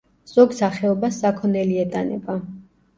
ზოგ სახეობას საქონელი ეტანება.